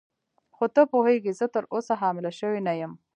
خو ته پوهېږې زه تراوسه حامله شوې نه یم.